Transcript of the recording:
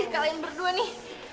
kalian berdua nih